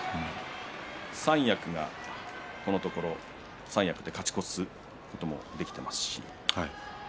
三役はこのところ勝ち越すこともできていますし。